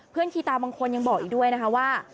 เพื่อนคีย์ตาบางคนยังบอกอีกด้วยนะคะว่า